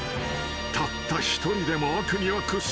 ［たった一人でも悪には屈しない］